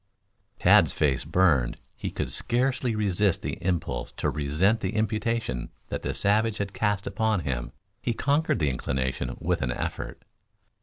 Tad's face burned. He could scarcely resist the impulse to resent the imputation that the savage had cast upon him. He conquered the inclination with an effort.